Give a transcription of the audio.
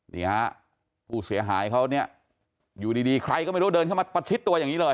นี่ฮะผู้เสียหายเขาเนี่ยอยู่ดีใครก็ไม่รู้เดินเข้ามาประชิดตัวอย่างนี้เลย